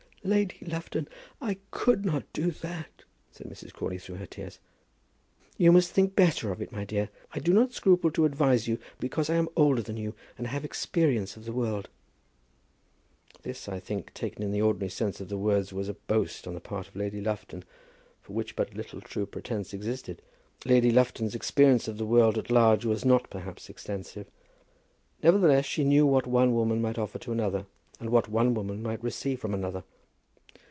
"Lady Lufton, I could not do that," said Mrs. Crawley through her tears. "You must think better of it, my dear. I do not scruple to advise you, because I am older than you, and have experience of the world." This, I think, taken in the ordinary sense of the words, was a boast on the part of Lady Lufton, for which but little true pretence existed. Lady Lufton's experience of the world at large was not perhaps extensive. Nevertheless she knew what one woman might offer to another, and what one woman might receive from another.